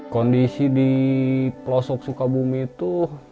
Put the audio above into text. kondisi di pelosok sukabumi itu